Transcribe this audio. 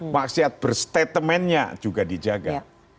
maksiat berstatementnya juga dijaga